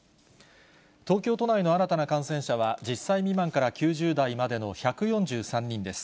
東京都内の新たな感染者は、１０歳未満から９０代までの１４３人です。